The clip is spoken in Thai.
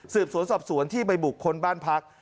สวนสอบสวนที่ไปบุคคลบ้านพัก